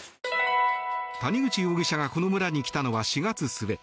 谷口容疑者がこの村に来たのは４月末。